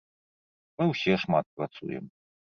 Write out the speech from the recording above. Мы ўсе шмат працуем.